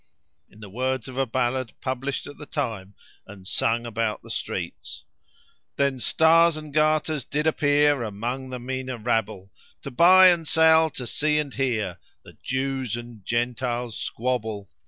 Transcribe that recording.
In the words of a ballad published at the time, and sung about the streets, "Then stars and garters did appear Among the meaner rabble; To buy and sell, to see and hear The Jews and Gentiles squabble.